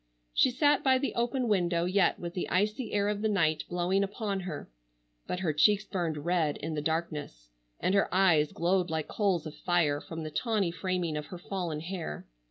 She sat by the open window yet with the icy air of the night blowing upon her, but her cheeks burned red in the darkness, and her eyes glowed like coals of fire from the tawny framing of her fallen hair.